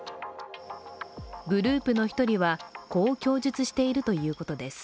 グループの１人はこう供述しているということです。